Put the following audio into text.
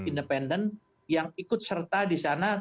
independen yang ikut serta di sana